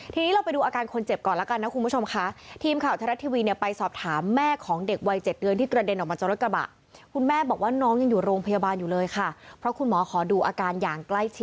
ทีนี้เราไปดูอาการคนเจ็บก่อนแล้วกันนะคุณผู้ชมค่ะ